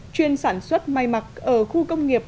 chuyên sản xuất may mặt ở khu công nghiệp